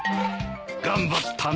頑張ったな。